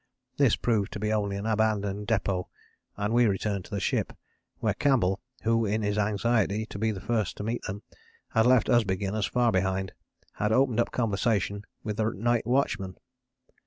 This proved to be only an abandoned depôt and we returned to the ship, where Campbell, who in his anxiety to be the first to meet them had left us beginners far behind, had opened up conversation with the night watchman.